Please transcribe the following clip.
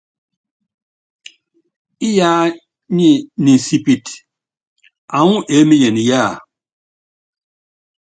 Íyá nyi ni nsípítí, aŋúu eémenyen yía?